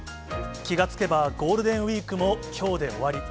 気が付けば、ゴールデンウィークもきょうで終わり。